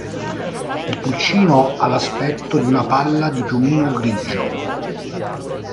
Il pulcino ha l’aspetto di una palla di piumino grigio.